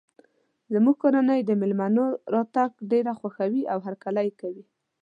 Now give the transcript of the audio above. زموږ کورنۍ د مېلمنو راتګ ډیر خوښوي او هرکلی یی کوي